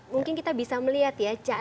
mungkin kita bisa melihat ya